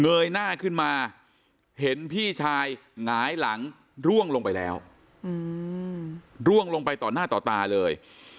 ยหน้าขึ้นมาเห็นพี่ชายหงายหลังร่วงลงไปแล้วร่วงลงไปต่อหน้าต่อตาเลย